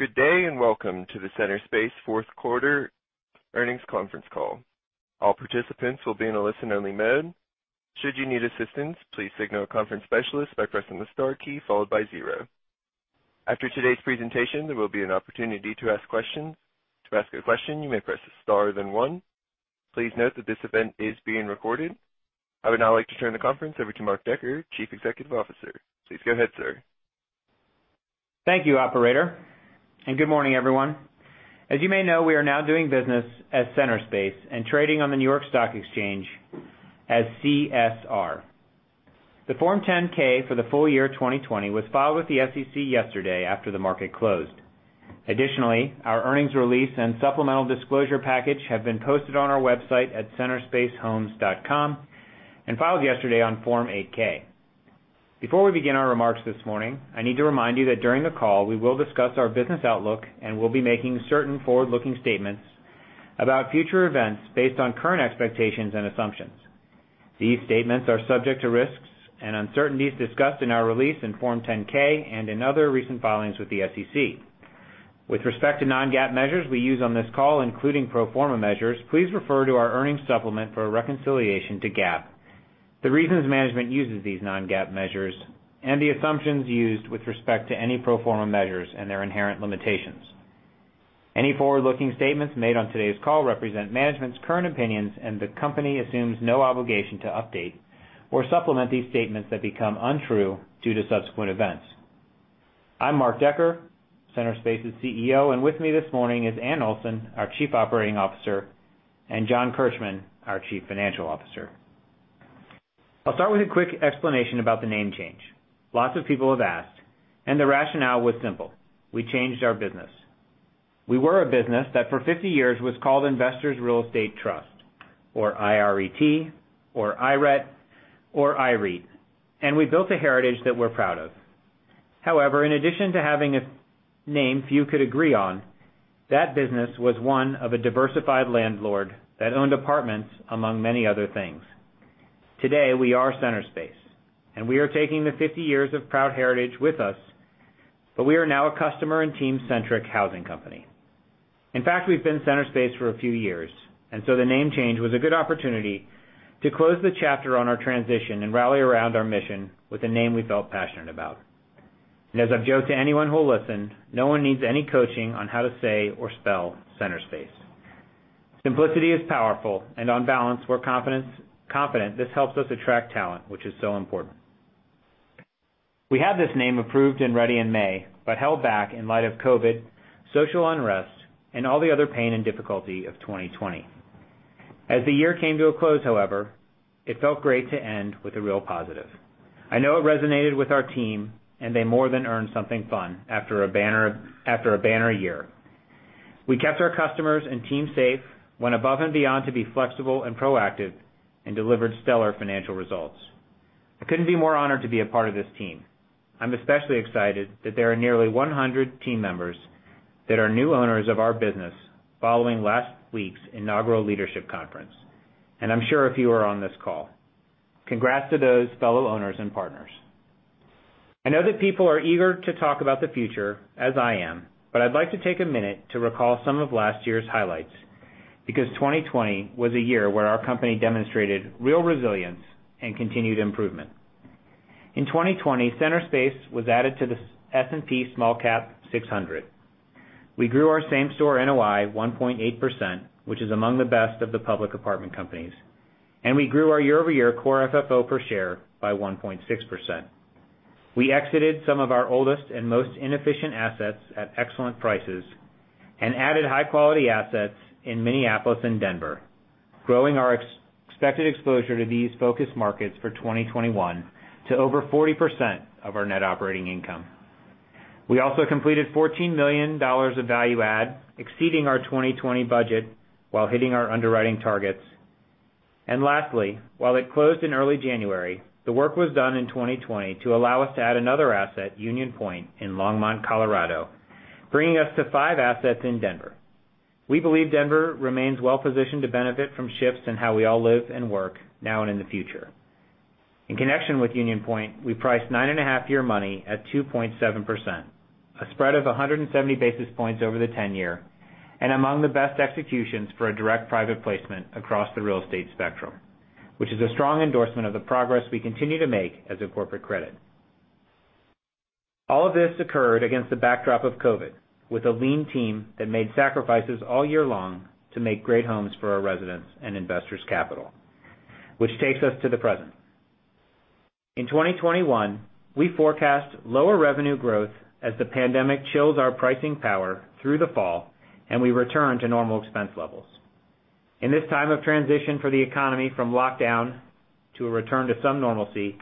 Good day. Welcome to the Centerspace fourth quarter earnings conference call. All participants will be in a listen-only mode. Should you need assistance, please signal a conference specialist by pressing the star key followed by zero. After today's presentation, there will be an opportunity to ask questions. To ask a question, you may press star, then one. Please note that this event is being recorded. I would now like to turn the conference over to Mark Decker, Chief Executive Officer. Please go ahead, sir. Thank you, operator, and good morning, everyone. As you may know, we are now doing business as Centerspace and trading on the New York Stock Exchange as CSR. The Form 10-K for the full year 2020 was filed with the SEC yesterday after the market closed. Our earnings release and supplemental disclosure package have been posted on our website at centerspacehomes.com and filed yesterday on Form 8-K. Before we begin our remarks this morning, I need to remind you that during the call, we will discuss our business outlook and will be making certain forward-looking statements about future events based on current expectations and assumptions. These statements are subject to risks and uncertainties discussed in our release in Form 10-K and in other recent filings with the SEC. With respect to non-GAAP measures we use on this call, including pro forma measures, please refer to our earnings supplement for a reconciliation to GAAP, the reasons management uses these non-GAAP measures, and the assumptions used with respect to any pro forma measures and their inherent limitations. Any forward-looking statements made on today's call represent management's current opinions, and the company assumes no obligation to update or supplement these statements that become untrue due to subsequent events. I'm Mark Decker, Centerspace's CEO, and with me this morning is Anne Olson, our Chief Operating Officer, and John Kirchmann, our Chief Financial Officer. I'll start with a quick explanation about the name change. Lots of people have asked, and the rationale was simple. We changed our business. We were a business that for 50 years was called Investors Real Estate Trust or I-R-E-T or IRET or IRET. We built a heritage that we're proud of. However, in addition to having a name few could agree on, that business was one of a diversified landlord that owned apartments, among many other things. Today, we are Centerspace. We are taking the 50 years of proud heritage with us. We are now a customer and team-centric housing company. In fact, we've been Centerspace for a few years. The name change was a good opportunity to close the chapter on our transition and rally around our mission with a name we felt passionate about. As I've joked to anyone who will listen, no one needs any coaching on how to say or spell Centerspace. Simplicity is powerful, and on balance, we're confident this helps us attract talent, which is so important. We had this name approved and ready in May, but held back in light of COVID, social unrest, and all the other pain and difficulty of 2020. As the year came to a close, however, it felt great to end with a real positive. I know it resonated with our team, and they more than earned something fun after a banner year. We kept our customers and team safe, went above and beyond to be flexible and proactive, and delivered stellar financial results. I couldn't be more honored to be a part of this team. I'm especially excited that there are nearly 100 team members that are new owners of our business following last week's inaugural leadership conference, and I'm sure a few are on this call. Congrats to those fellow owners and partners. I know that people are eager to talk about the future, as I am, but I'd like to take a minute to recall some of last year's highlights because 2020 was a year where our company demonstrated real resilience and continued improvement. In 2020, Centerspace was added to the S&P SmallCap 600. We grew our same-store NOI 1.8%, which is among the best of the public apartment companies. We grew our year-over-year core FFO per share by 1.6%. We exited some of our oldest and most inefficient assets at excellent prices and added high-quality assets in Minneapolis and Denver, growing our expected exposure to these focus markets for 2021 to over 40% of our net operating income. We also completed $14 million of value add, exceeding our 2020 budget while hitting our underwriting targets. Lastly, while it closed in early January, the work was done in 2020 to allow us to add another asset, Union Pointe Apartment Homes in Longmont, Colorado, bringing us to five assets in Denver. We believe Denver remains well-positioned to benefit from shifts in how we all live and work now and in the future. In connection with Union Pointe, we priced 9.5-year money at 2.7%, a spread of 170 basis points over the 10-year, and among the best executions for a direct private placement across the real estate spectrum, which is a strong endorsement of the progress we continue to make as a corporate credit. All of this occurred against the backdrop of COVID, with a lean team that made sacrifices all year long to make great homes for our residents and investors' capital, which takes us to the present. In 2021, we forecast lower revenue growth as the pandemic chills our pricing power through the fall, and we return to normal expense levels. In this time of transition for the economy from lockdown to a return to some normalcy,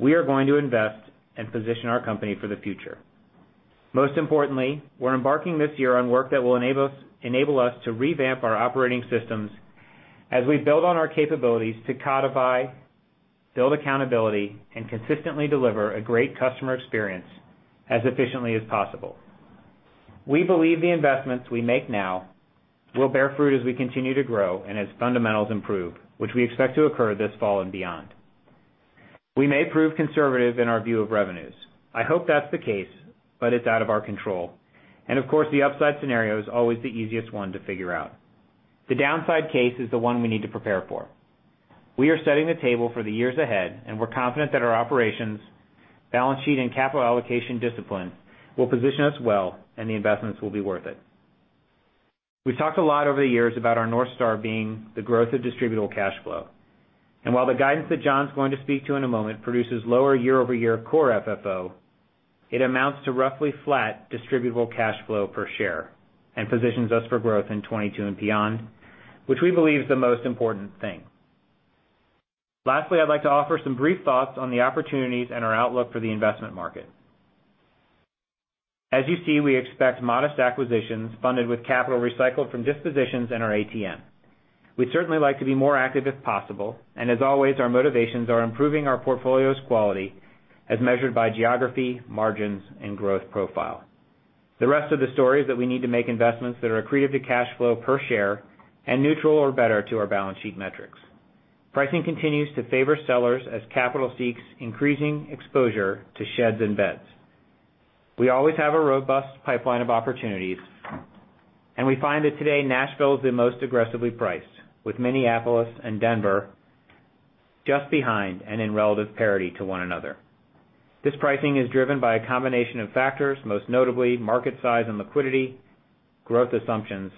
we are going to invest and position our company for the future. Most importantly, we're embarking this year on work that will enable us to revamp our operating systems as we build on our capabilities to codify, build accountability, and consistently deliver a great customer experience as efficiently as possible. We believe the investments we make now will bear fruit as we continue to grow and as fundamentals improve, which we expect to occur this fall and beyond. We may prove conservative in our view of revenues. I hope that's the case, but it's out of our control. Of course, the upside scenario is always the easiest one to figure out. The downside case is the one we need to prepare for. We are setting the table for the years ahead, and we're confident that our operations, balance sheet, and capital allocation discipline will position us well, and the investments will be worth it. We've talked a lot over the years about our North Star being the growth of distributable cash flow. While the guidance that John's going to speak to in a moment produces lower year-over-year core FFO, it amounts to roughly flat distributable cash flow per share and positions us for growth in 2022 and beyond, which we believe is the most important thing. Lastly, I'd like to offer some brief thoughts on the opportunities and our outlook for the investment market. As you see, we expect modest acquisitions funded with capital recycled from dispositions in our ATM. We'd certainly like to be more active if possible, and as always, our motivations are improving our portfolio's quality as measured by geography, margins, and growth profile. The rest of the story is that we need to make investments that are accretive to cash flow per share and neutral or better to our balance sheet metrics. Pricing continues to favor sellers as capital seeks increasing exposure to sheds and beds. We always have a robust pipeline of opportunities, and we find that today Nashville is the most aggressively priced, with Minneapolis and Denver just behind and in relative parity to one another. This pricing is driven by a combination of factors, most notably market size and liquidity, growth assumptions,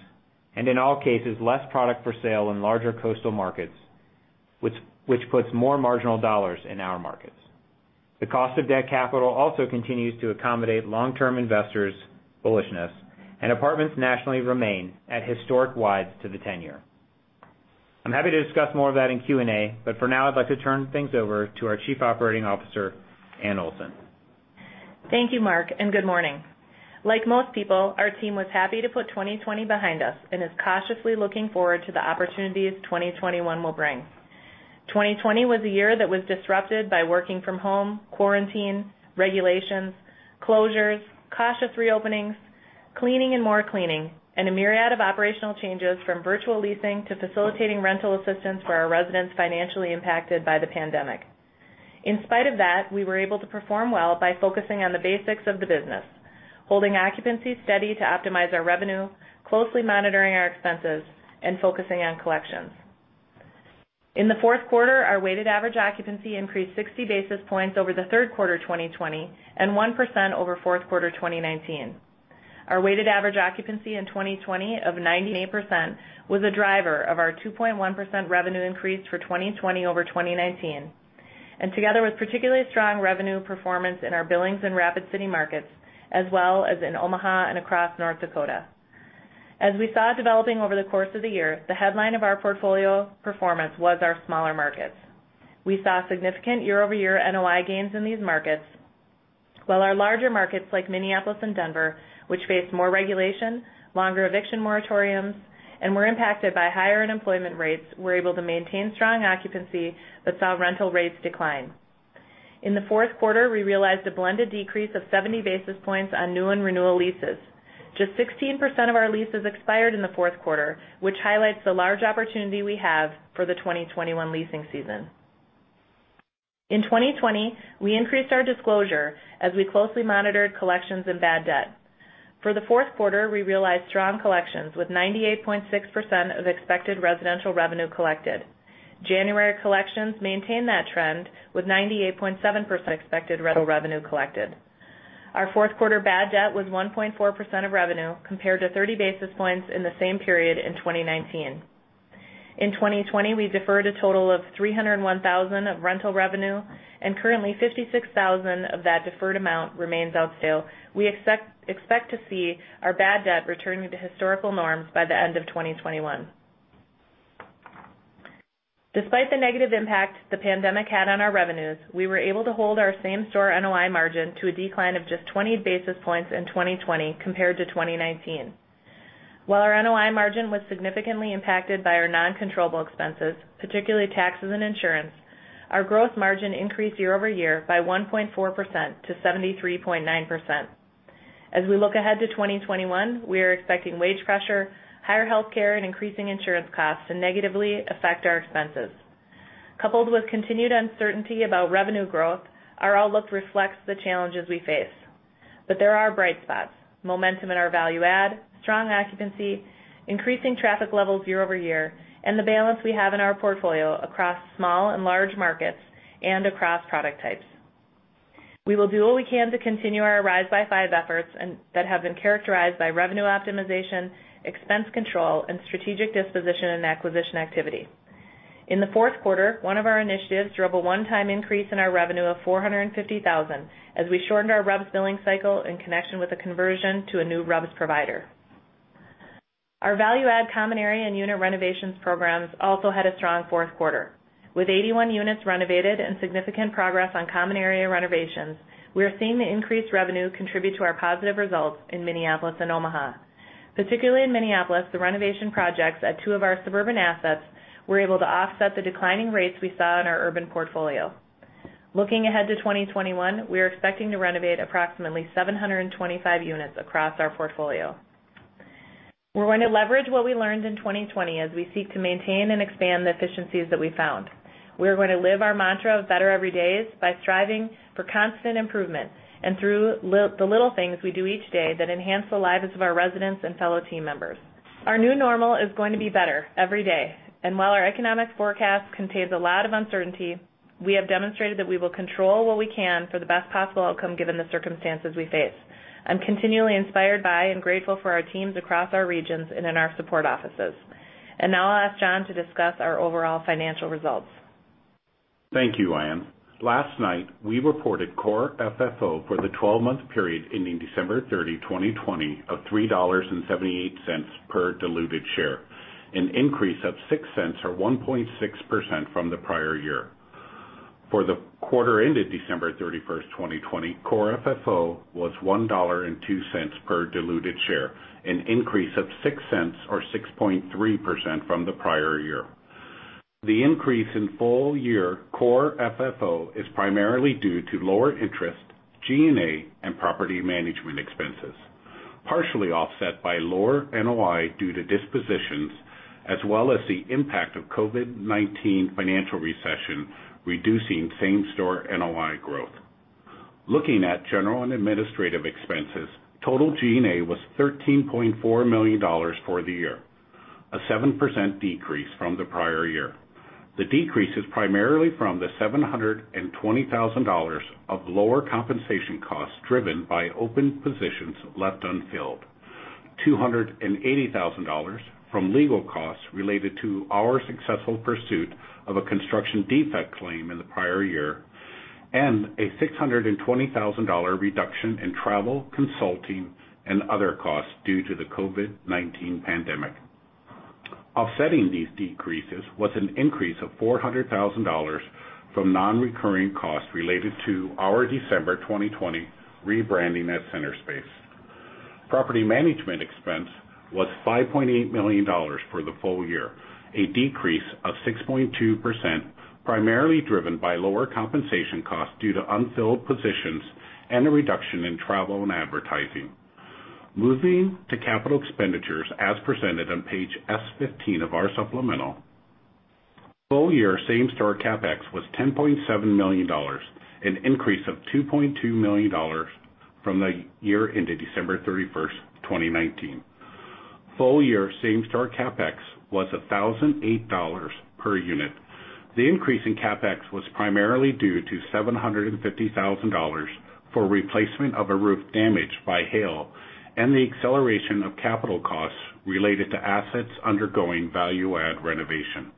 and in all cases, less product for sale in larger coastal markets, which puts more marginal dollars in our markets. The cost of debt capital also continues to accommodate long-term investors' bullishness, and apartments nationally remain at historic wides to the 10-year. I'm happy to discuss more of that in Q&A, but for now, I'd like to turn things over to our Chief Operating Officer, Anne Olson. Thank you, Mark, and good morning. Like most people, our team was happy to put 2020 behind us and is cautiously looking forward to the opportunities 2021 will bring. 2020 was a year that was disrupted by working from home, quarantine, regulations, closures, cautious reopenings, cleaning and more cleaning, and a myriad of operational changes from virtual leasing to facilitating rental assistance for our residents financially impacted by the pandemic. In spite of that, we were able to perform well by focusing on the basics of the business, holding occupancy steady to optimize our revenue, closely monitoring our expenses, and focusing on collections. In the fourth quarter, our weighted average occupancy increased 60 basis points over the third quarter 2020 and 1% over fourth quarter 2019. Our weighted average occupancy in 2020 of 98% was a driver of our 2.1% revenue increase for 2020 over 2019, and together with particularly strong revenue performance in our Billings and Rapid City markets, as well as in Omaha and across North Dakota. As we saw developing over the course of the year, the headline of our portfolio performance was our smaller markets. We saw significant year-over-year NOI gains in these markets, while our larger markets like Minneapolis and Denver, which faced more regulation, longer eviction moratoriums, and were impacted by higher unemployment rates, were able to maintain strong occupancy but saw rental rates decline. In the fourth quarter, we realized a blended decrease of 70 basis points on new and renewal leases. Just 16% of our leases expired in the fourth quarter, which highlights the large opportunity we have for the 2021 leasing season. In 2020, we increased our disclosure as we closely monitored collections and bad debt. For the fourth quarter, we realized strong collections with 98.6% of expected residential revenue collected. January collections maintained that trend with 98.7% expected rental revenue collected. Our fourth quarter bad debt was 1.4% of revenue compared to 30 basis points in the same period in 2019. In 2020, we deferred a total of $301,000 of rental revenue, and currently $56,000 of that deferred amount remains outstanding. We expect to see our bad debt returning to historical norms by the end of 2021. Despite the negative impact the pandemic had on our revenues, we were able to hold our same store NOI margin to a decline of just 20 basis points in 2020 compared to 2019. While our NOI margin was significantly impacted by our non-controllable expenses, particularly taxes and insurance, our growth margin increased year-over-year by 1.4%-3.9%. As we look ahead to 2021, we are expecting wage pressure, higher healthcare, and increasing insurance costs to negatively affect our expenses. Coupled with continued uncertainty about revenue growth, our outlook reflects the challenges we face. There are bright spots, momentum in our value add, strong occupancy, increasing traffic levels year-over-year, and the balance we have in our portfolio across small and large markets and across product types. We will do what we can to continue our Rise by Five efforts that have been characterized by revenue optimization, expense control, and strategic disposition and acquisition activity. In the fourth quarter, one of our initiatives drove a one-time increase in our revenue of $450,000 as we shortened our RUBS billing cycle in connection with a conversion to a new RUBS provider. Our value add common area and unit renovations programs also had a strong fourth quarter. With 81 units renovated and significant progress on common area renovations, we are seeing the increased revenue contribute to our positive results in Minneapolis and Omaha. Particularly in Minneapolis, the renovation projects at two of our suburban assets were able to offset the declining rates we saw in our urban portfolio. We're going to leverage what we learned in 2020 as we seek to maintain and expand the efficiencies that we found. We're going to live our mantra of better every day by striving for constant improvement and through the little things we do each day that enhance the lives of our residents and fellow team members. Our new normal is going to be better every day. While our economic forecast contains a lot of uncertainty, we have demonstrated that we will control what we can for the best possible outcome given the circumstances we face. I'm continually inspired by and grateful for our teams across our regions and in our support offices. Now I'll ask John to discuss our overall financial results. Thank you, Anne. Last night, we reported core FFO for the 12-month period ending December 30, 2020, of $3.78 per diluted share, an increase of $0.06 or 1.6% from the prior year. For the quarter ending December 31st, 2020, core FFO was $1.02 per diluted share, an increase of $0.06 or 6.3% from the prior year. The increase in full-year core FFO is primarily due to lower interest, G&A, and property management expenses, partially offset by lower NOI due to dispositions as well as the impact of COVID-19 financial recession, reducing same-store NOI growth. Looking at general and administrative expenses, total G&A was $13.4 million for the year, a 7% decrease from the prior year. The decrease is primarily from the $720,000 of lower compensation costs driven by open positions left unfilled, $280,000 from legal costs related to our successful pursuit of a construction defect claim in the prior year, and a $620,000 reduction in travel, consulting, and other costs due to the COVID-19 pandemic. Offsetting these decreases was an increase of $400,000 from non-recurring costs related to our December 2020 rebranding at Centerspace. Property management expense was $5.8 million for the full year, a decrease of 6.2%, primarily driven by lower compensation costs due to unfilled positions and a reduction in travel and advertising. Moving to capital expenditures as presented on page S-15 of our supplemental, full year same-store CapEx was $10.7 million, an increase of $2.2 million from the year ending December 31st, 2019. Full-year same-store CapEx was $1,008 per unit. The increase in CapEx was primarily due to $750,000 for replacement of a roof damaged by hail and the acceleration of capital costs related to assets undergoing value add renovation.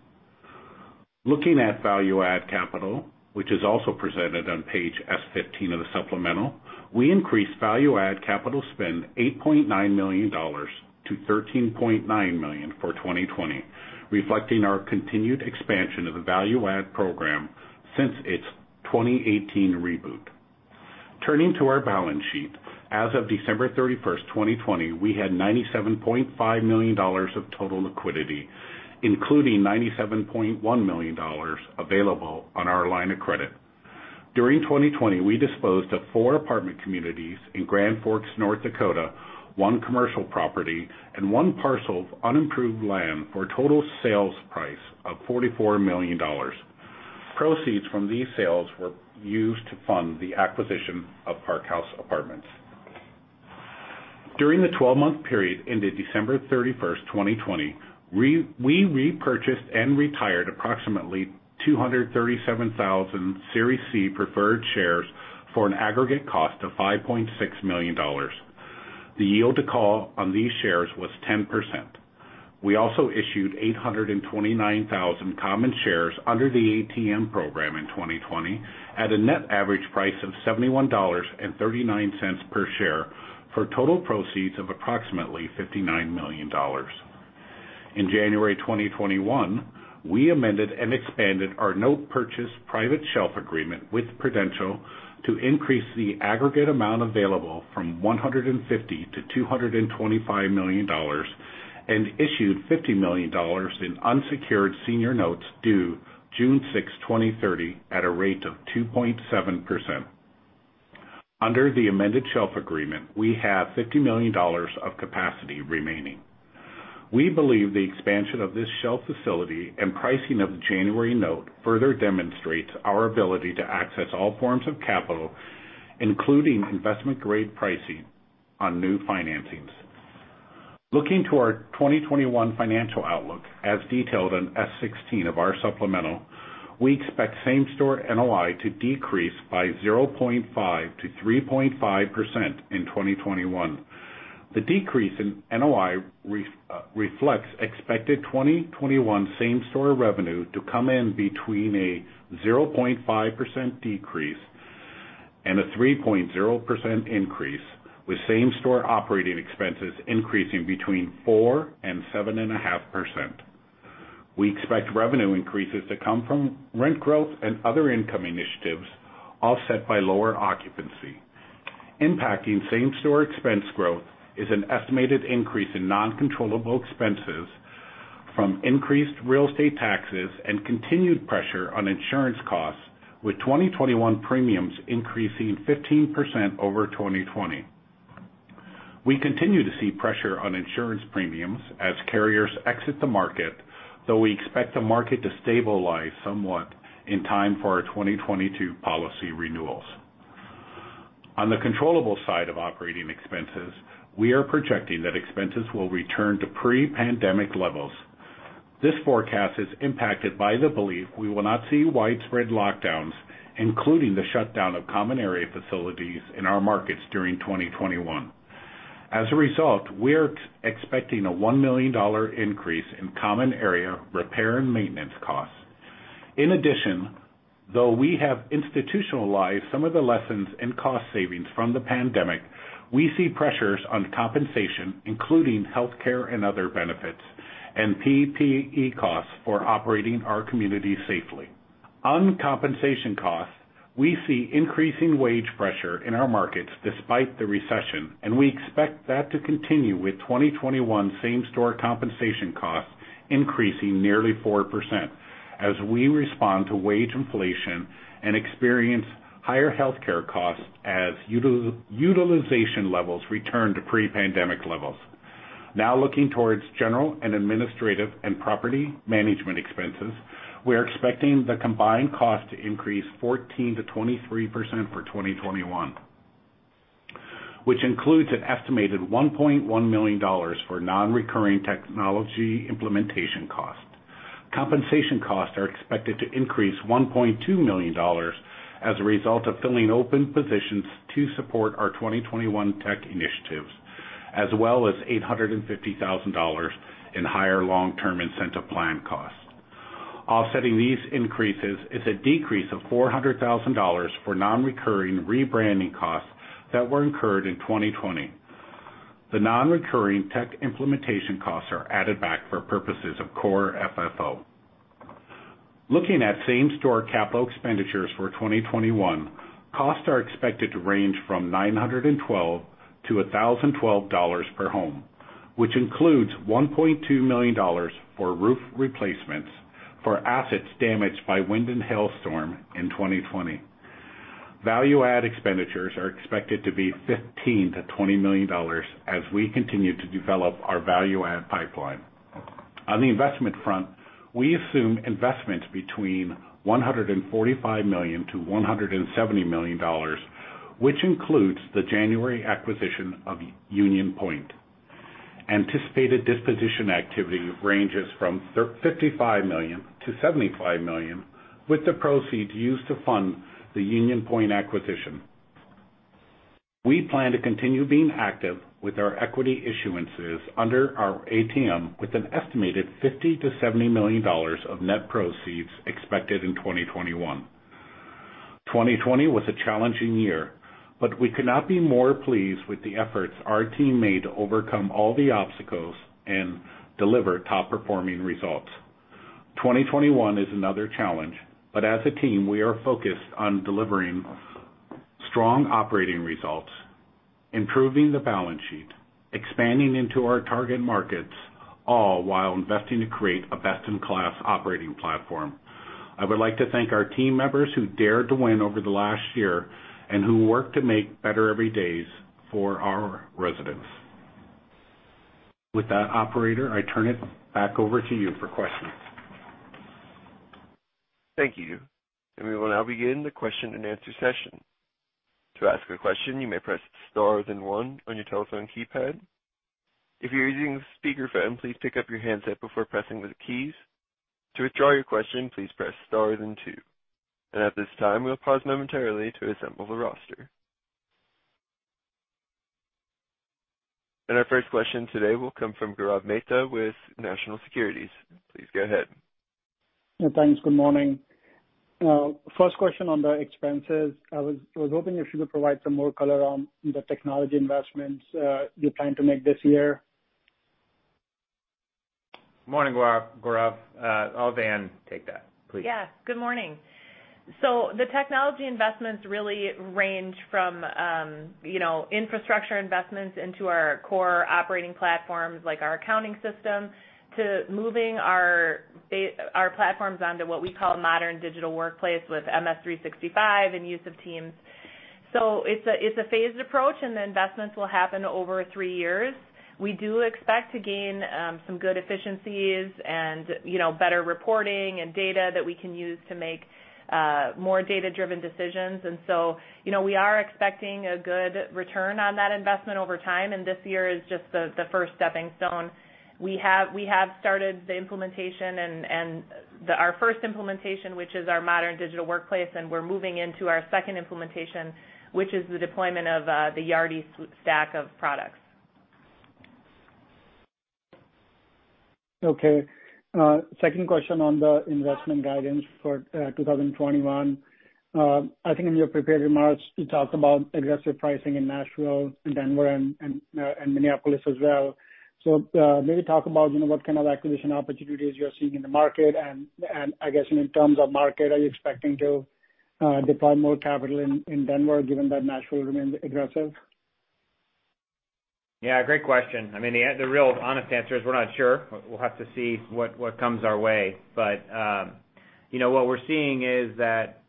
Looking at value add capital, which is also presented on page S-15 of the supplemental, we increased value add capital spend $8.9 million-$13.9 million for 2020, reflecting our continued expansion of the value add program since its 2018 reboot. Turning to our balance sheet, as of December 31st, 2020, we had $97.5 million of total liquidity, including $97.1 million available on our line of credit. During 2020, we disposed of four apartment communities in Grand Forks, North Dakota, one commercial property, and one parcel of unimproved land for a total sales price of $44 million. Proceeds from these sales were used to fund the acquisition of Parkhouse Apartment Homes. During the 12-month period ending December 31, 2020, we repurchased and retired approximately 237,000 Series C preferred shares for an aggregate cost of $5.6 million. The yield to call on these shares was 10%. We also issued 829,000 common shares under the ATM program in 2020 at a net average price of $71.39 per share for total proceeds of approximately $59 million. In January 2021, we amended and expanded our note purchase private shelf agreement with Prudential to increase the aggregate amount available from $150 million-$225 million and issued $50 million in unsecured senior notes due June 6, 2030, at a rate of 2.7%. Under the amended shelf agreement, we have $50 million of capacity remaining. We believe the expansion of this shelf facility and pricing of the January note further demonstrates our ability to access all forms of capital, including investment-grade pricing on new financings. Looking to our 2021 financial outlook as detailed on S-16 of our supplemental, we expect same-store NOI to decrease by 0.5%-3.5% in 2021. The decrease in NOI reflects expected 2021 same-store revenue to come in between a 0.5% decrease and a 3.0% increase, with same-store operating expenses increasing between 4%-7.5%. We expect revenue increases to come from rent growth and other income initiatives offset by lower occupancy. Impacting same-store expense growth is an estimated increase in non-controllable expenses from increased real estate taxes and continued pressure on insurance costs, with 2021 premiums increasing 15% over 2020. We continue to see pressure on insurance premiums as carriers exit the market, though we expect the market to stabilize somewhat in time for our 2022 policy renewals. On the controllable side of operating expenses, we are projecting that expenses will return to pre-pandemic levels. This forecast is impacted by the belief we will not see widespread lockdowns, including the shutdown of common area facilities in our markets during 2021. As a result, we're expecting a $1 million increase in common area repair and maintenance costs. In addition, though we have institutionalized some of the lessons in cost savings from the pandemic, we see pressures on compensation, including healthcare and other benefits, and PPE costs for operating our communities safely. On compensation costs, we see increasing wage pressure in our markets despite the recession, and we expect that to continue with 2021 same-store compensation costs increasing nearly 4% as we respond to wage inflation and experience higher healthcare costs as utilization levels return to pre-pandemic levels. Now looking towards general and administrative and property management expenses, we're expecting the combined cost to increase 14%-23% for 2021, which includes an estimated $1.1 million for non-recurring technology implementation costs. Compensation costs are expected to increase $1.2 million as a result of filling open positions to support our 2021 tech initiatives, as well as $850,000 in higher long-term incentive plan costs. Offsetting these increases is a decrease of $400,000 for non-recurring rebranding costs that were incurred in 2020. The non-recurring tech implementation costs are added back for purposes of core FFO. Looking at same-store capital expenditures for 2021, costs are expected to range from $912-$1,012 per home, which includes $1.2 million for roof replacements for assets damaged by wind and hailstorm in 2020. Value add expenditures are expected to be $15 million-$20 million as we continue to develop our value add pipeline. On the investment front, we assume investments between $145 million-$170 million, which includes the January acquisition of Union Pointe. Anticipated disposition activity ranges from $55 million-$75 million, with the proceeds used to fund the Union Pointe acquisition. We plan to continue being active with our equity issuances under our ATM with an estimated $50 million-$70 million of net proceeds expected in 2021. 2020 was a challenging year, but we could not be more pleased with the efforts our team made to overcome all the obstacles and deliver top-performing results. 2021 is another challenge, but as a team, we are focused on delivering strong operating results, improving the balance sheet, expanding into our target markets, all while investing to create a best-in-class operating platform. I would like to thank our team members who dared to win over the last year and who work to make better every days for our residents. With that, operator, I turn it back over to you for questions. Thank you. We will now begin the question and answer session. To ask a question, you may press star then one on your telephone keypad. If you're using a speakerphone, please pick up your handset before pressing the keys. To withdraw your question, please press star then two. At this time, we'll pause momentarily to assemble the roster. Our first question today will come from Gaurav Mehta with National Securities. Please go ahead. Yeah, thanks. Good morning. First question on the expenses. I was hoping if you could provide some more color on the technology investments you're planning to make this year. Morning, Gaurav. I'll have Anne take that, please. Yes. Good morning. The technology investments really range from infrastructure investments into our core operating platforms, like our accounting system, to moving our platforms onto what we call a modern digital workplace with Microsoft 365 and use of Microsoft Teams. It's a phased approach, and the investments will happen over three years. We do expect to gain some good efficiencies and better reporting and data that we can use to make more data-driven decisions. We are expecting a good return on that investment over time, and this year is just the first stepping stone. We have started the implementation and our first implementation, which is our modern digital workplace, and we're moving into our second implementation, which is the deployment of the Yardi Stack of products. Okay. Second question on the investment guidance for 2021. I think in your prepared remarks, you talked about aggressive pricing in Nashville and Denver and Minneapolis as well. Maybe talk about what kind of acquisition opportunities you're seeing in the market and, I guess, in terms of market, are you expecting to deploy more capital in Denver given that Nashville remains aggressive? Yeah. Great question. The real honest answer is we're not sure. We'll have to see what comes our way. What we're seeing is that,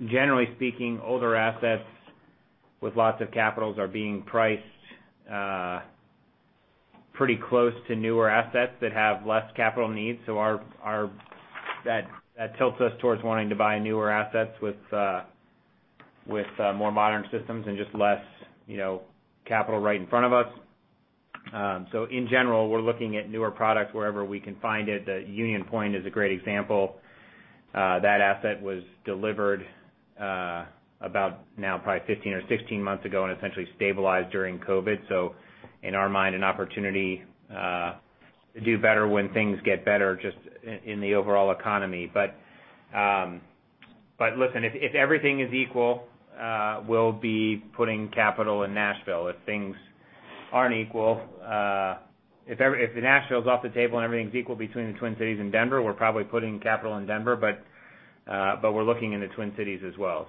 generally speaking, older assets with lots of capitals are being priced pretty close to newer assets that have less capital needs. That tilts us towards wanting to buy newer assets with more modern systems and just less capital right in front of us. In general, we're looking at newer product wherever we can find it. Union Pointe is a great example. That asset was delivered about now probably 15 or 16 months ago and essentially stabilized during COVID. In our mind, an opportunity to do better when things get better just in the overall economy. Listen, if everything is equal, we'll be putting capital in Nashville. If things aren't equal, if the Nashville's off the table and everything's equal between the Twin Cities and Denver, we're probably putting capital in Denver. We're looking in the Twin Cities as well.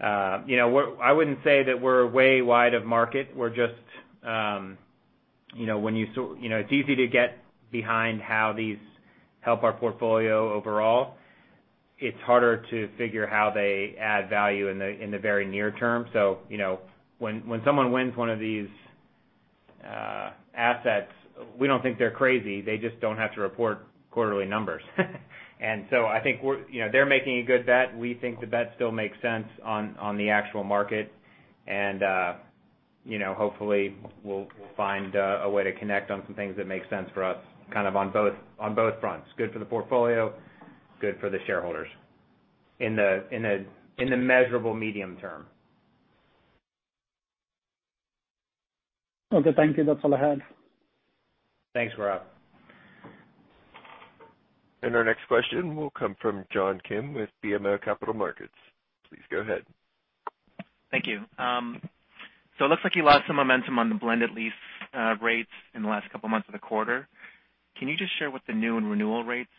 I wouldn't say that we're way wide of market. It's easy to get behind how these help our portfolio overall. It's harder to figure how they add value in the very near term. When someone wins one of these assets, we don't think they're crazy. They just don't have to report quarterly numbers. I think they're making a good bet. We think the bet still makes sense on the actual market. Hopefully we'll find a way to connect on some things that make sense for us kind of on both fronts. Good for the portfolio, good for the shareholders in the measurable medium term. Okay. Thank you. That's all I had. Thanks, Gaurav. Our next question will come from John Kim with BMO Capital Markets. Please go ahead. Thank you. It looks like you lost some momentum on the blended lease rates in the last couple of months of the quarter. Can you just share what the new and renewal rates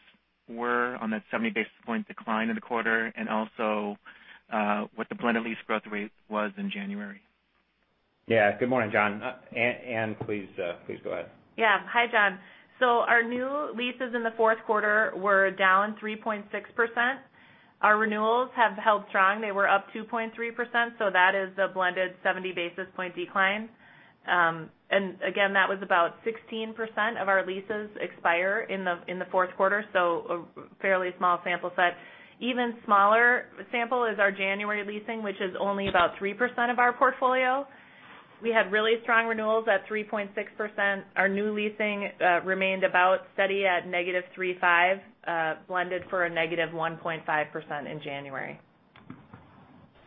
were on that 70 basis point decline in the quarter, and also what the blended lease growth rate was in January? Yeah. Good morning, John. Anne, please go ahead. Yeah. Hi, John. Our new leases in the fourth quarter were down 3.6%. Our renewals have held strong. They were up 2.3%, that is a blended 70 basis point decline. Again, that was about 16% of our leases expire in the fourth quarter, a fairly small sample set. Even smaller sample is our January leasing, which is only about 3% of our portfolio. We had really strong renewals at 3.6%. Our new leasing remained about steady at -3.5% blended for a -1.5% in January.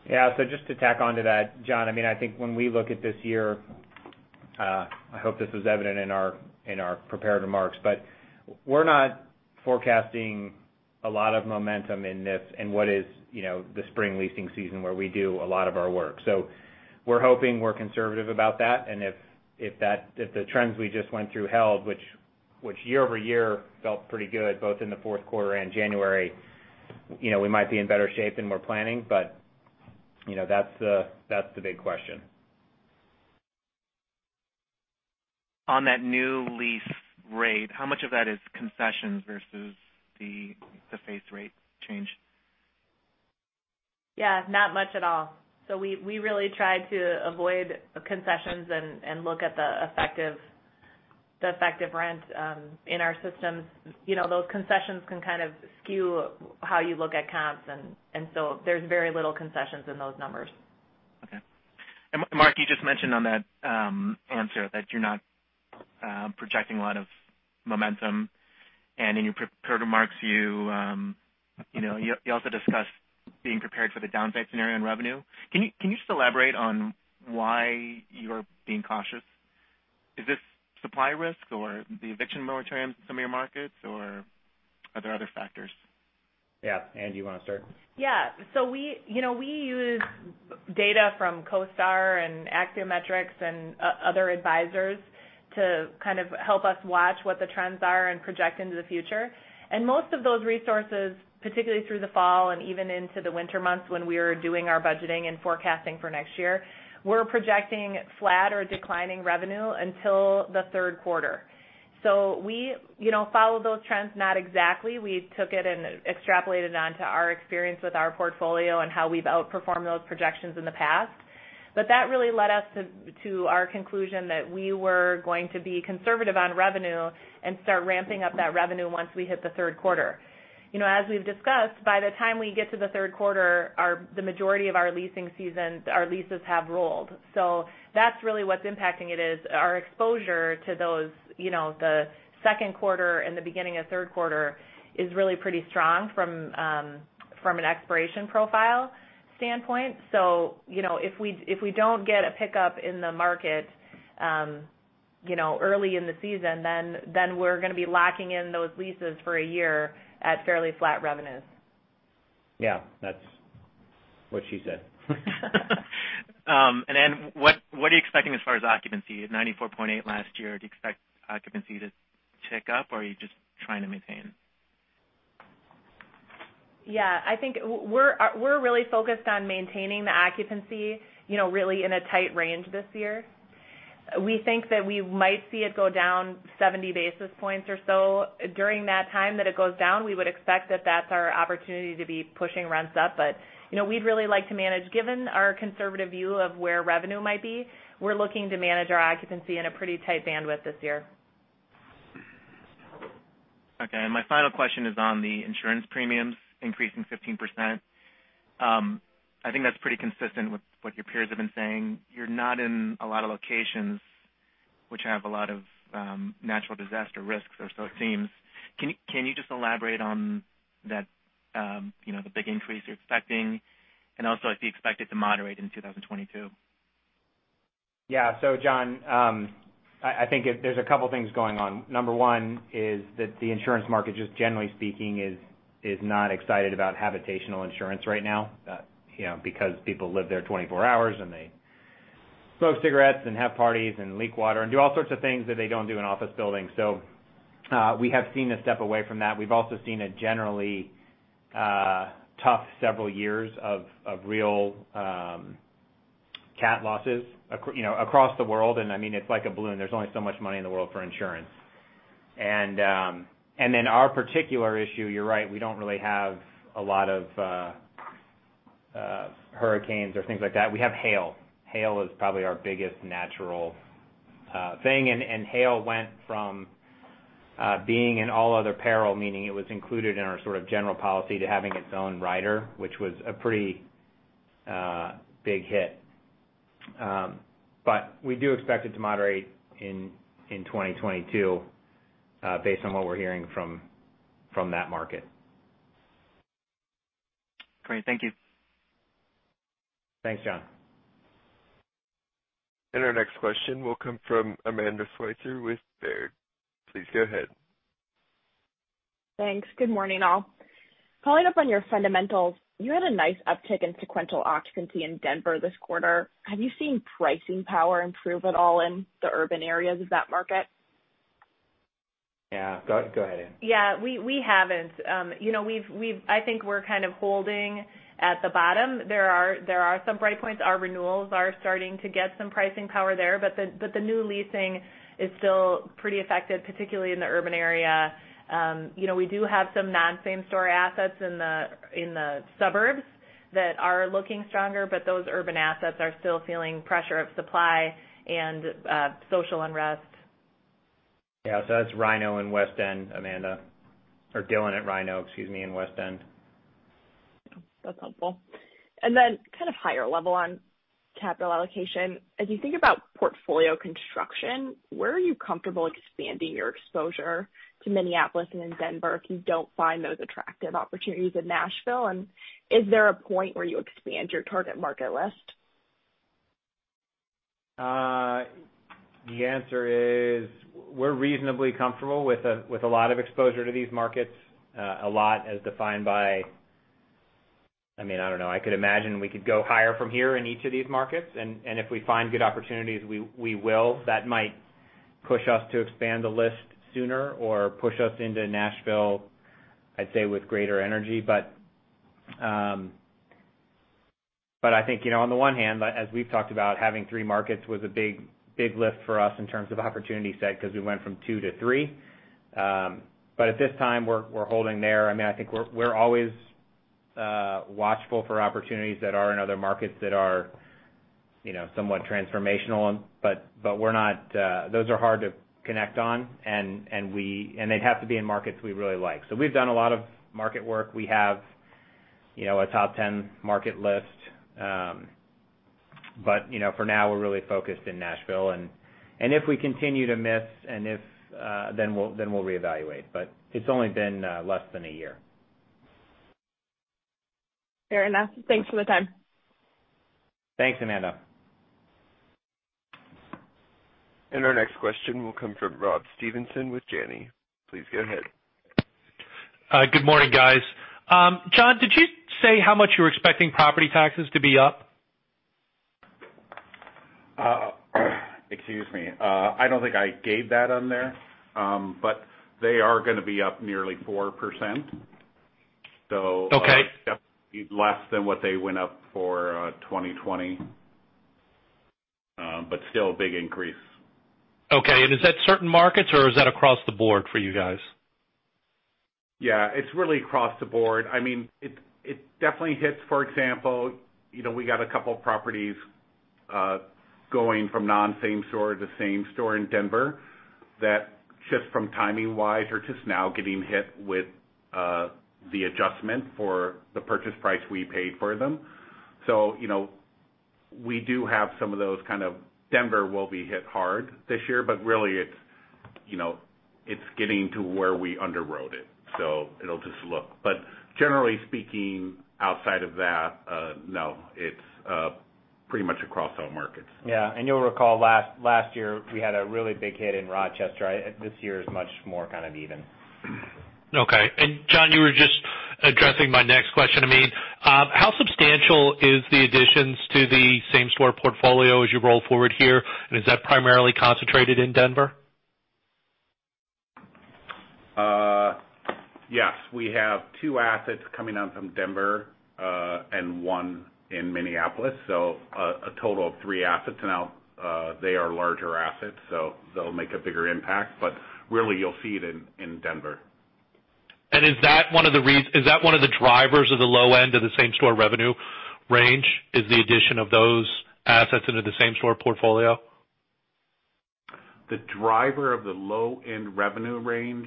Just to tack onto that, John, I think when we look at this year, I hope this was evident in our prepared remarks, but we're not forecasting a lot of momentum in what is the spring leasing season where we do a lot of our work. We're hoping we're conservative about that, and if the trends we just went through held, which year-over-year felt pretty good both in the fourth quarter and January, we might be in better shape than we're planning, but that's the big question. On that new lease rate, how much of that is concessions versus the face rate change? Yeah, not much at all. We really tried to avoid concessions and look at the effective rent in our systems. Those concessions can kind of skew how you look at comps. There's very little concessions in those numbers. Okay. Mark, you just mentioned on that answer that you're not projecting a lot of momentum, and in your prepared remarks, you also discussed being prepared for the downside scenario in revenue. Can you just elaborate on why you're being cautious? Is this supply risk or the eviction moratoriums in some of your markets, or are there other factors? Yeah. Anne, do you want to start? We use data from CoStar and Axiometrics and other advisors to kind of help us watch what the trends are and project into the future. Most of those resources, particularly through the fall and even into the winter months when we are doing our budgeting and forecasting for next year, we're projecting flat or declining revenue until the third quarter. We follow those trends, not exactly. We took it and extrapolated it onto our experience with our portfolio and how we've outperformed those projections in the past. That really led us to our conclusion that we were going to be conservative on revenue and start ramping up that revenue once we hit the third quarter. As we've discussed, by the time we get to the third quarter, the majority of our leases have rolled. That's really what's impacting it, is our exposure to the second quarter and the beginning of third quarter is really pretty strong from an expiration profile standpoint. If we don't get a pickup in the market early in the season, then we're going to be locking in those leases for a year at fairly flat revenues. Yeah. That's what she said. Anne, what are you expecting as far as occupancy? At 94.8% last year, do you expect occupancy to tick up, or are you just trying to maintain? Yeah, I think we're really focused on maintaining the occupancy really in a tight range this year. We think that we might see it go down 70 basis points or so. During that time that it goes down, we would expect that that's our opportunity to be pushing rents up. We'd really like to manage. Given our conservative view of where revenue might be, we're looking to manage our occupancy in a pretty tight bandwidth this year. Okay. My final question is on the insurance premiums increasing 15%. I think that's pretty consistent with what your peers have been saying. You're not in a lot of locations which have a lot of natural disaster risks, or so it seems. Can you just elaborate on the big increase you're expecting, and also if you expect it to moderate in 2022? Yeah. John, I think there's a couple of things going on. Number one is that the insurance market, just generally speaking, is not excited about habitational insurance right now, because people live there 24 hours, and they smoke cigarettes and have parties and leak water and do all sorts of things that they don't do in office buildings. We have seen a step away from that. We've also seen a generally tough several years of real Catastrophe losses across the world, and it's like a balloon. There's only so much money in the world for insurance. Our particular issue, you're right, we don't really have a lot of hurricanes or things like that. We have hail. Hail is probably our biggest natural thing. Hail went from being an all other peril, meaning it was included in our sort of general policy to having its own rider, which was a pretty big hit. We do expect it to moderate in 2022, based on what we're hearing from that market. Great. Thank you. Thanks, John. Our next question will come from Amanda Sweitzer with Baird. Please go ahead. Thanks. Good morning, all. Following up on your fundamentals, you had a nice uptick in sequential occupancy in Denver this quarter. Have you seen pricing power improve at all in the urban areas of that market? Yeah. Go ahead, Anne. Yeah. We haven't. I think we're kind of holding at the bottom. There are some bright points. Our renewals are starting to get some pricing power there, but the new leasing is still pretty affected, particularly in the urban area. We do have some non-same store assets in the suburbs that are looking stronger, but those urban assets are still feeling pressure of supply and social unrest. Yeah. That's RiNo and West End, Amanda. Dylan at RiNo, excuse me, and West End. That's helpful. Then kind of higher level on capital allocation. As you think about portfolio construction, where are you comfortable expanding your exposure to Minneapolis and in Denver if you don't find those attractive opportunities in Nashville? Is there a point where you expand your target market list? The answer is we're reasonably comfortable with a lot of exposure to these markets. A lot as defined by, I don't know, I could imagine we could go higher from here in each of these markets. If we find good opportunities, we will. That might push us to expand the list sooner or push us into Nashville, I'd say, with greater energy. I think, on the one hand, as we've talked about, having three markets was a big lift for us in terms of opportunity set because we went from two to three. At this time, we're holding there. I think we're always watchful for opportunities that are in other markets that are somewhat transformational, but those are hard to connect on, and they'd have to be in markets we really like. We've done a lot of market work. We have a top 10 market list. For now, we're really focused in Nashville. If we continue to miss, then we'll reevaluate. It's only been less than a year. Fair enough. Thanks for the time. Thanks, Amanda. Our next question will come from Rob Stevenson with Janney. Please go ahead. Good morning, guys. John, did you say how much you're expecting property taxes to be up? Excuse me. I don't think I gave that on there. They are going to be up nearly 4%. Okay. Definitely less than what they went up for 2020. Still a big increase. Okay. Is that certain markets or is that across the board for you guys? Yeah, it's really across the board. It definitely hits, for example, we got a couple of properties going from non-same store to same store in Denver that just from timing-wise, are just now getting hit with the adjustment for the purchase price we paid for them. We do have some of those kind of Denver will be hit hard this year, but really it's getting to where we underwrote it, so it'll just look. Generally speaking, outside of that, no. It's pretty much across all markets. Yeah. You'll recall last year, we had a really big hit in Rochester. This year is much more kind of even. Okay. John, you were just addressing my next question to me. How substantial is the additions to the same-store portfolio as you roll forward here, and is that primarily concentrated in Denver? Yes. We have two assets coming out from Denver, and one in Minneapolis. A total of three assets, and they are larger assets, so they'll make a bigger impact. Really you'll see it in Denver. Is that one of the drivers of the low end of the same-store revenue range, is the addition of those assets into the same-store portfolio? The driver of the low-end revenue range?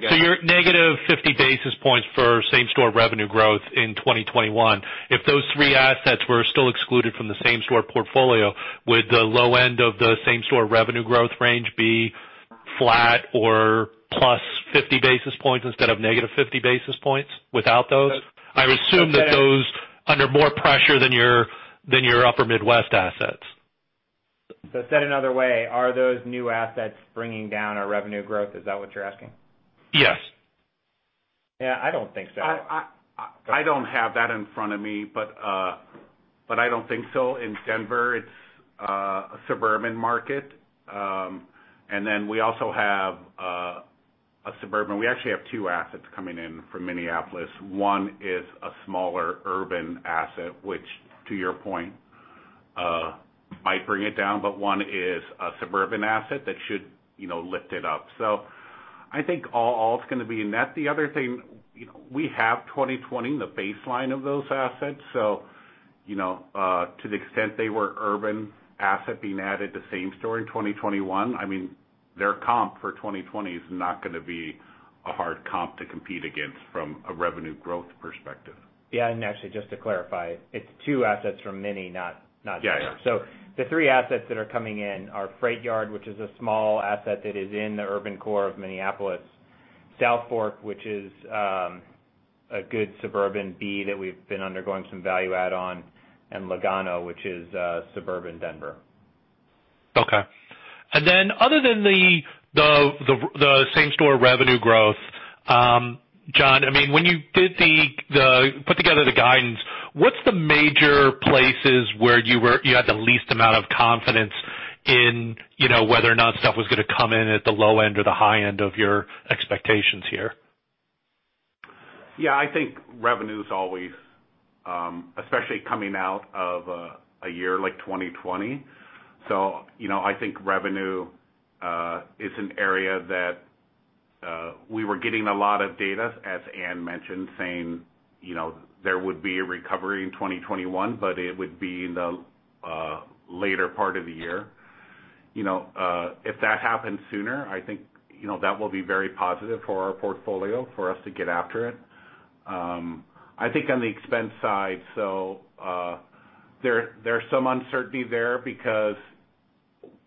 Your -50 basis points for same-store revenue growth in 2021. If those three assets were still excluded from the same-store portfolio, would the low end of the same-store revenue growth range be flat or +50 basis points instead of -50 basis points without those? I would assume that those under more pressure than your upper Midwest assets. Said another way, are those new assets bringing down our revenue growth? Is that what you're asking? Yes. Yeah, I don't think so. I don't have that in front of me, but I don't think so. In Denver, it's a suburban market. We also have two assets coming in from Minneapolis. One is a smaller urban asset, which, to your point, might bring it down, but one is a suburban asset that should lift it up. I think all it's going to be a net. The other thing, we have 2020 in the baseline of those assets, to the extent they were urban asset being added to same store in 2021, their comp for 2020 is not going to be a hard comp to compete against from a revenue growth perspective. Yeah. Actually, just to clarify, it's two assets from Minneapolis, not Denver. Yeah. The three assets that are coming in are FreightYard, which is a small asset that is in the urban core of Minneapolis, Southfork, which is a good suburban B that we've been undergoing some value add on, and Lugano, which is suburban Denver. Okay. Other than the same-store revenue growth, John, when you put together the guidance, what's the major places where you had the least amount of confidence in whether or not stuff was going to come in at the low end or the high end of your expectations here? Yeah. I think revenue's always, especially coming out of a year like 2020. I think revenue is an area that we were getting a lot of data, as Anne mentioned, saying there would be a recovery in 2021, but it would be in the later part of the year. If that happens sooner, I think that will be very positive for our portfolio for us to get after it. I think on the expense side, there's some uncertainty there because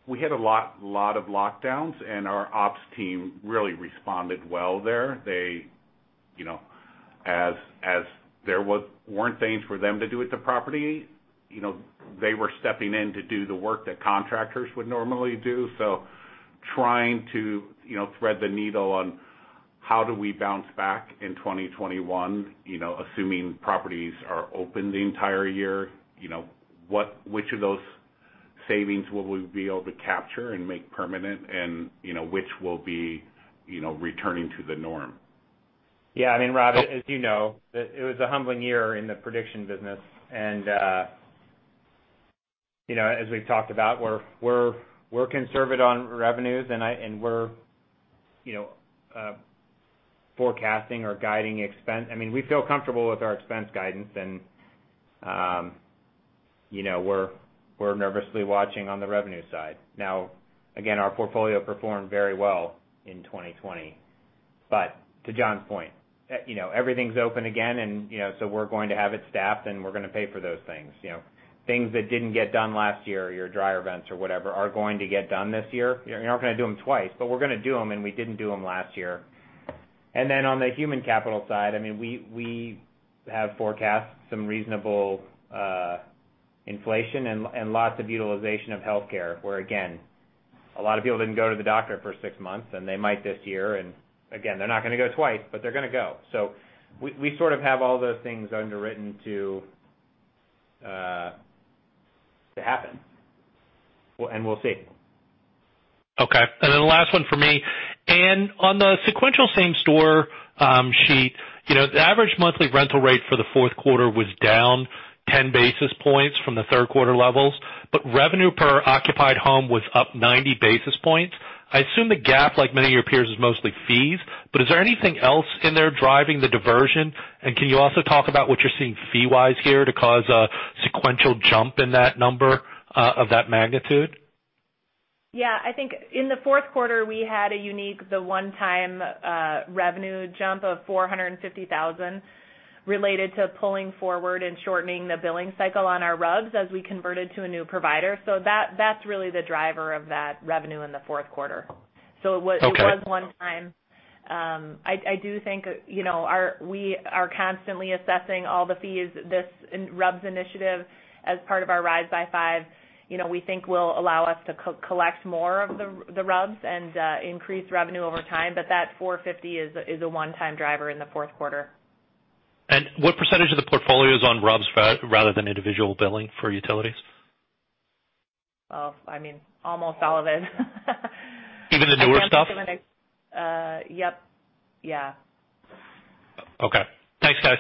we had a lot of lockdowns, and our ops team really responded well there. As there weren't things for them to do at the property, they were stepping in to do the work that contractors would normally do. Trying to thread the needle on how do we bounce back in 2021, assuming properties are open the entire year, which of those savings will we be able to capture and make permanent and which will be returning to the norm. Yeah. Rob, as you know, it was a humbling year in the prediction business. As we've talked about, we're conservative on revenues, and we're forecasting or guiding expense. We feel comfortable with our expense guidance, and we're nervously watching on the revenue side. Now, again, our portfolio performed very well in 2020. To John's point, everything's open again, and so we're going to have it staffed and we're going to pay for those things. Things that didn't get done last year, your dryer vents or whatever, are going to get done this year. We're not going to do them twice, but we're going to do them, and we didn't do them last year. On the human capital side, we have forecast some reasonable inflation and lots of utilization of healthcare, where again, a lot of people didn't go to the doctor for six months, and they might this year. Again, they're not going to go twice, but they're going to go. We sort of have all those things underwritten to happen, and we'll see. Okay. The last one for me. Anne, on the sequential same-store sheet, the average monthly rental rate for the fourth quarter was down 10 basis points from the third quarter levels, but revenue per occupied home was up 90 basis points. I assume the GAAP, like many of your peers, is mostly fees. Is there anything else in there driving the diversion? Can you also talk about what you're seeing fee-wise here to cause a sequential jump in that number of that magnitude? Yeah. I think in the fourth quarter, we had a unique one-time revenue jump of $450,000 related to pulling forward and shortening the billing cycle on our RUBS as we converted to a new provider. That's really the driver of that revenue in the fourth quarter. Okay. It was one time. I do think we are constantly assessing all the fees. This RUBS initiative as part of our Rise by Five we think will allow us to collect more of the RUBS and increase revenue over time, but that $450,000 is a one-time driver in the fourth quarter. What percent of the portfolio is on RUBS rather than individual billing for utilities? Well, almost all of it. Even the newer stuff? Yep. Yeah. Okay. Thanks, guys.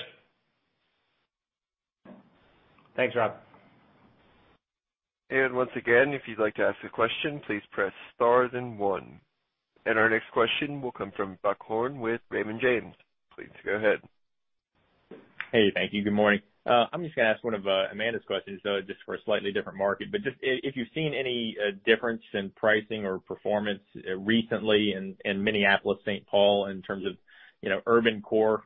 Thanks, Rob. Once again, if you'd like to ask a question, please press star then one. Our next question will come from Buck Horne with Raymond James. Please go ahead. Hey, thank you. Good morning. I'm just going to ask one of Amanda's questions, though just for a slightly different market. Just if you've seen any difference in pricing or performance recently in Minneapolis-Saint Paul in terms of urban core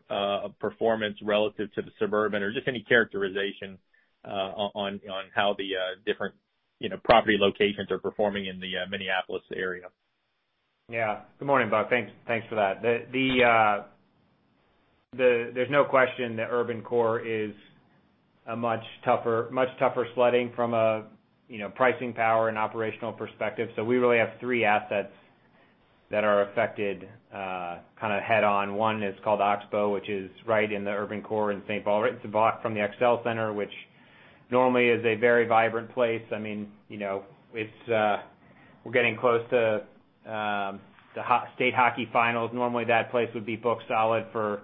performance relative to the suburban, or just any characterization on how the different property locations are performing in the Minneapolis area? Yeah. Good morning, Buck. Thanks for that. There's no question that urban core is a much tougher sledding from a pricing power and operational perspective. We really have three assets that are affected kind of head-on. One is called Oxbow, which is right in the urban core in Saint Paul, right from the Xcel Energy Center, which normally is a very vibrant place. We're getting close to the state hockey finals. Normally, that place would be booked solid for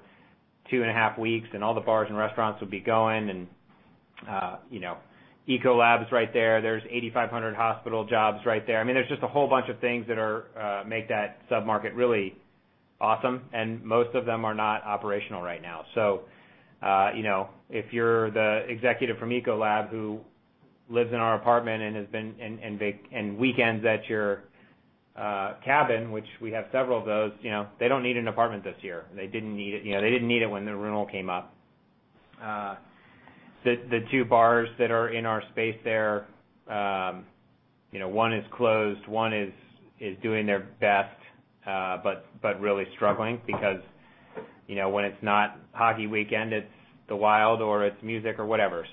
two and a half weeks, all the bars and restaurants would be going, Ecolab is right there. There's 8,500 hospital jobs right there. There's just a whole bunch of things that make that sub-market really awesome, most of them are not operational right now. If you're the executive from Ecolab who lives in our apartment and weekends at your cabin, which we have several of those, they don't need an apartment this year. They didn't need it when the renewal came up. The two bars that are in our space there, one is closed, one is doing their best, but really struggling because when it's not hockey weekend, it's The Wild or it's music or whatever.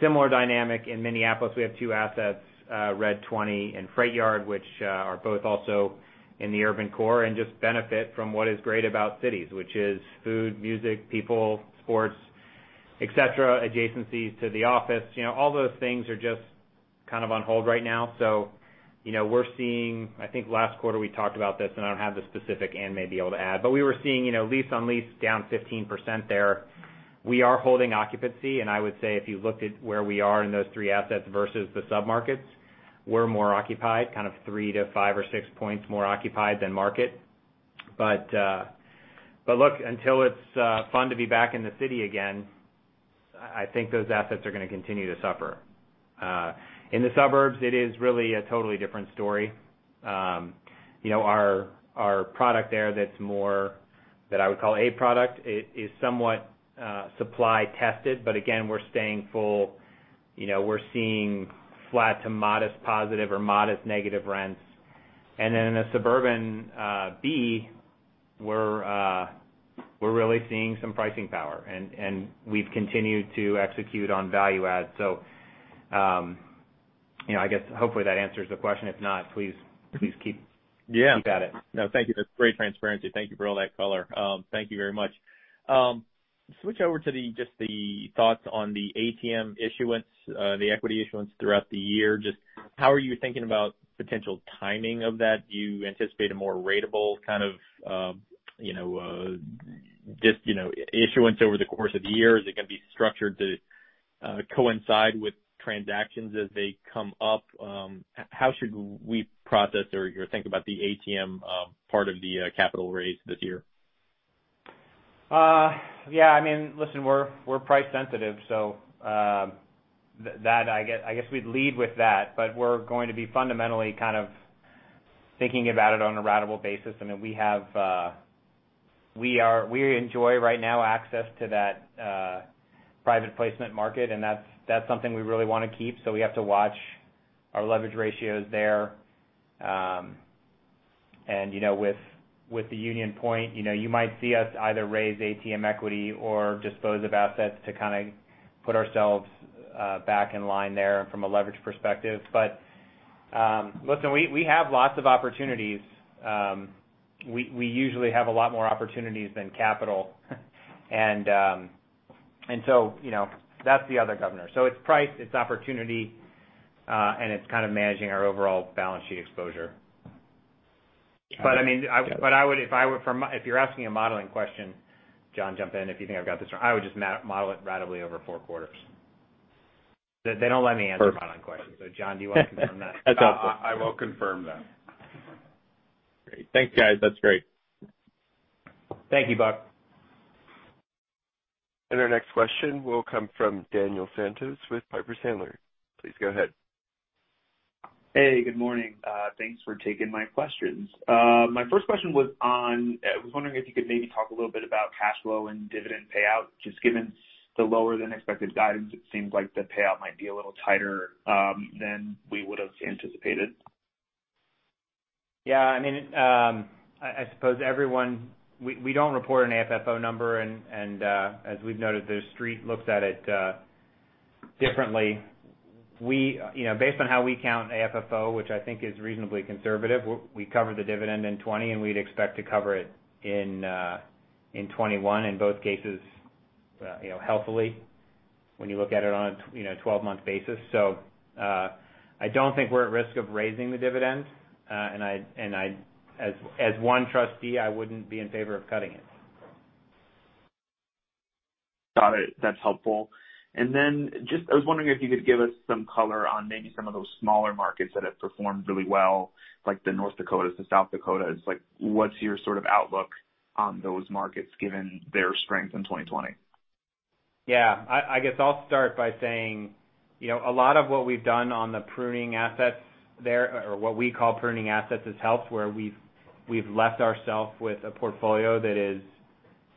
Similar dynamic in Minneapolis. We have two assets, Red 20 and FreightYard, which are both also in the urban core and just benefit from what is great about cities, which is food, music, people, sports, et cetera, adjacencies to the office. All those things are just kind of on hold right now. We're seeing, I think last quarter we talked about this, I don't have the specific, Anne may be able to add, we were seeing lease on lease down 15% there. We are holding occupancy, I would say if you looked at where we are in those three assets versus the sub-markets, we're more occupied, kind of three to five or six points more occupied than market. Look, until it's fun to be back in the city again, I think those assets are going to continue to suffer. In the suburbs, it is really a totally different story. Our product there that's more, that I would call A product is somewhat supply tested. Again, we're staying full. We're seeing flat to modest positive or modest negative rents. In a suburban B, we're really seeing some pricing power, and we've continued to execute on value add. I guess hopefully that answers the question. If not, please keep at it. Yeah No, thank you. That's great transparency. Thank you for all that color. Thank you very much. Switch over to just the thoughts on the ATM issuance, the equity issuance throughout the year. Just how are you thinking about potential timing of that? Do you anticipate a more ratable kind of issuance over the course of the year? Is it going to be structured to coincide with transactions as they come up? How should we process or think about the ATM part of the capital raise this year? Listen, we're price sensitive, so I guess we'd lead with that, but we're going to be fundamentally kind of thinking about it on a ratable basis. We enjoy right now access to that private placement market, and that's something we really want to keep. We have to watch our leverage ratios there. With the Union Pointe, you might see us either raise ATM equity or dispose of assets to kind of put ourselves back in line there from a leverage perspective. Listen, we have lots of opportunities. We usually have a lot more opportunities than capital. That's the other governor. It's price, it's opportunity, and it's kind of managing our overall balance sheet exposure. If you're asking a modeling question, John, jump in if you think I've got this wrong, I would just model it ratably over four quarters. They don't let me answer modeling questions. John, do you want to confirm that? That's awesome. I will confirm that. Great. Thanks, guys. That's great. Thank you, Buck. Our next question will come from Daniel Santos with Piper Sandler. Please go ahead. Hey, good morning. Thanks for taking my questions. My first question was on, I was wondering if you could maybe talk a little bit about cash flow and dividend payout. Just given the lower than expected guidance, it seems like the payout might be a little tighter than we would've anticipated. Yeah. I suppose we don't report an AFFO number, and as we've noted, the Street looks at it differently. Based on how we count AFFO, which I think is reasonably conservative, we cover the dividend in 2020, and we'd expect to cover it in 2021. In both cases, healthily, when you look at it on a 12-month basis. I don't think we're at risk of raising the dividend. As one trustee, I wouldn't be in favor of cutting it. Got it. That's helpful. I was wondering if you could give us some color on maybe some of those smaller markets that have performed really well, like the North Dakotas, the South Dakotas. What's your sort of outlook on those markets, given their strength in 2020? Yeah. I guess I'll start by saying, a lot of what we've done on the pruning assets there, or what we call pruning assets, has helped where we've left ourselves with a portfolio that is,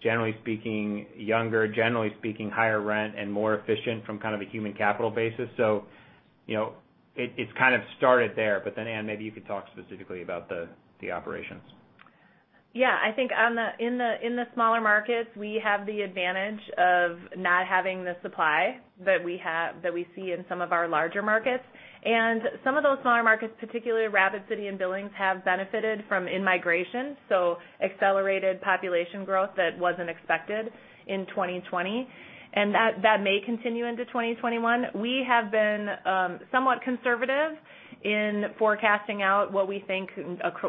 generally speaking, younger, generally speaking, higher rent and more efficient from kind of a human capital basis. It's kind of started there. Anne, maybe you could talk specifically about the operations. Yeah. I think in the smaller markets, we have the advantage of not having the supply that we see in some of our larger markets. Some of those smaller markets, particularly Rapid City and Billings, have benefited from in-migration, so accelerated population growth that wasn't expected in 2020. That may continue into 2021. We have been somewhat conservative in forecasting out what we think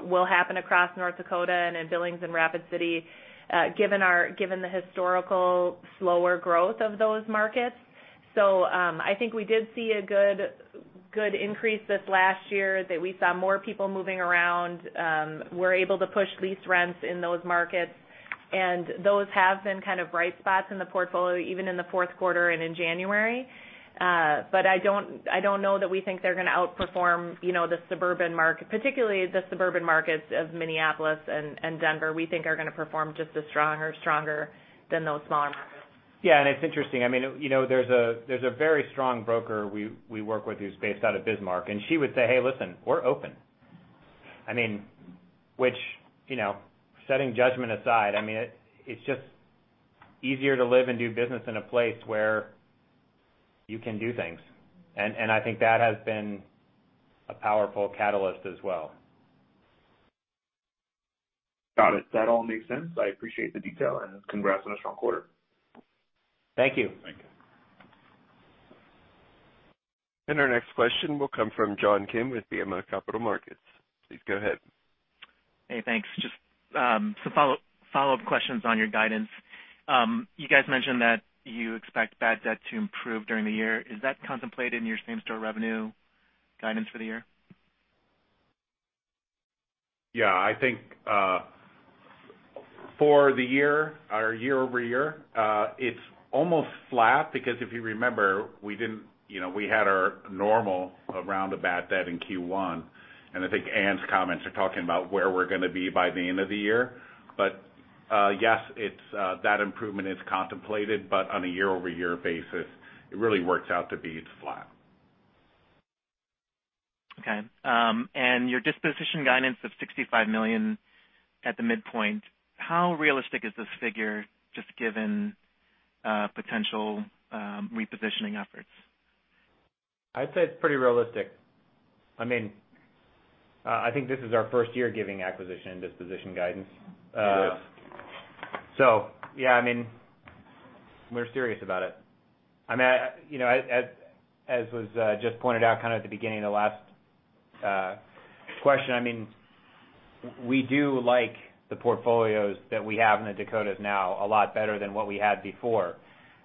will happen across North Dakota and in Billings and Rapid City, given the historical slower growth of those markets. I think we did see a good increase this last year, that we saw more people moving around. We're able to push lease rents in those markets, and those have been kind of bright spots in the portfolio, even in the fourth quarter and in January. I don't know that we think they're going to outperform the suburban market, particularly the suburban markets of Minneapolis and Denver, we think are going to perform just as strong or stronger than those smaller markets. Yeah, it's interesting. There's a very strong broker we work with who's based out of Bismarck, and she would say, "Hey, listen, we're open." Which, setting judgment aside, it's just easier to live and do business in a place where you can do things. I think that has been a powerful catalyst as well. Got it. That all makes sense. I appreciate the detail, and congrats on a strong quarter. Thank you. Thank you. Our next question will come from John Kim with BMO Capital Markets. Please go ahead. Hey, thanks. Just some follow-up questions on your guidance. You guys mentioned that you expect bad debt to improve during the year. Is that contemplated in your same-store revenue guidance for the year? Yeah, I think for the year or year-over-year, it's almost flat, because if you remember, we had our normal round of bad debt in Q1. I think Anne's comments are talking about where we're going to be by the end of the year. Yes, that improvement is contemplated, but on a year-over-year basis, it really works out to be it's flat. Okay. Your disposition guidance of $65 million at the midpoint, how realistic is this figure, just given potential repositioning efforts? I'd say it's pretty realistic. I think this is our first year giving acquisition and disposition guidance. It is. Yeah, we're serious about it. As was just pointed out kind of at the beginning of the last question, we do like the portfolios that we have in the Dakotas now a lot better than what we had before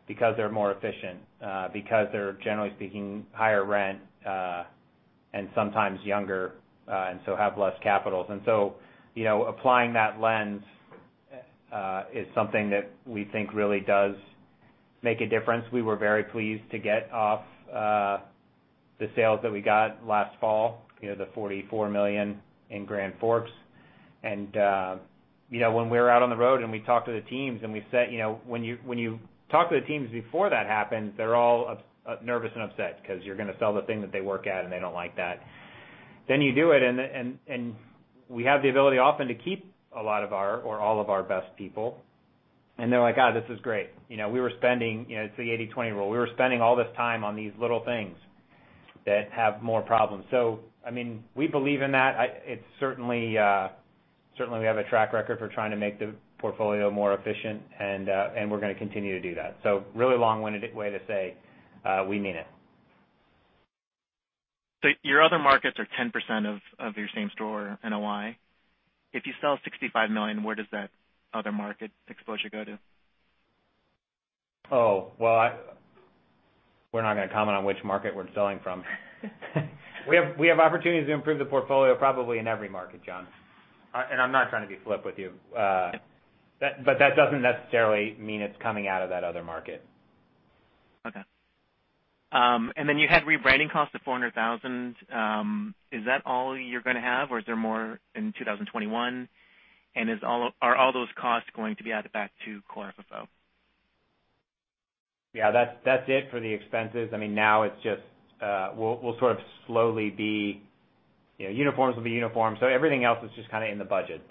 because they're more efficient. They're, generally speaking, higher rent, and sometimes younger, and so have less capital. Applying that lens is something that we think really does make a difference. We were very pleased to get off the sales that we got last fall, the $44 million in Grand Forks. When we're out on the road and we talk to the teams and when you talk to the teams before that happens, they're all nervous and upset because you're going to sell the thing that they work at, and they don't like that. You do it, and we have the ability often to keep a lot of our, or all of our best people, and they're like, "this is great." It's the 80/20 rule. We were spending all this time on these little things that have more problems. We believe in that. Certainly we have a track record for trying to make the portfolio more efficient, and we're going to continue to do that. Really long-winded way to say we mean it. Your other markets are 10% of your same-store NOI. If you sell $65 million, where does that other market exposure go to? Well, we're not going to comment on which market we're selling from. We have opportunities to improve the portfolio probably in every market, John. I'm not trying to be flip with you. That doesn't necessarily mean it's coming out of that other market. Okay. Then you had rebranding costs of $400,000. Is that all you're going to have, or is there more in 2021? Are all those costs going to be added back to core FFO? Yeah, that's it for the expenses. Now it's just uniforms will be uniforms, so everything else is just kind of in the budget.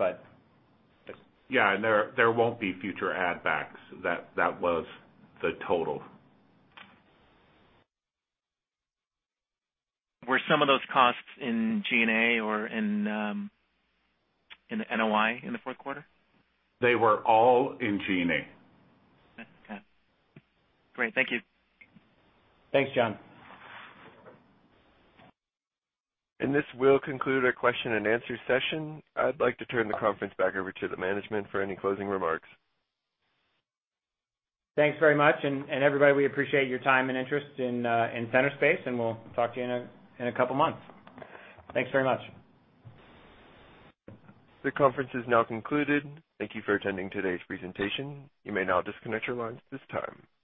Yeah, there won't be future add backs. That was the total. Were some of those costs in G&A or in the NOI in the fourth quarter? They were all in G&A. Okay. Great. Thank you. Thanks, John. This will conclude our question and answer session. I'd like to turn the conference back over to the management for any closing remarks. Thanks very much. Everybody, we appreciate your time and interest in Centerspace, and we'll talk to you in a couple of months. Thanks very much. The conference is now concluded. Thank you for attending today's presentation. You may now disconnect your lines at this time.